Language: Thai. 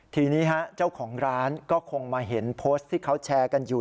ทีนี้เจ้าของร้านก็คงมาเห็นโพสต์ที่เขาแชร์กันอยู่